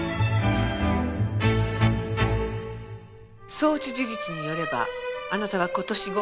送致事実によればあなたは今年５